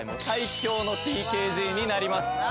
最強のＴＫＧになります